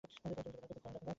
পরিচিত কারো ভূতকে ডাকা যাক।